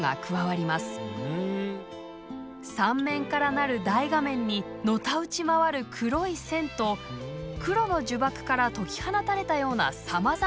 ３面から成る大画面にのたうち回る黒い線と黒の呪縛から解き放たれたようなさまざまな色。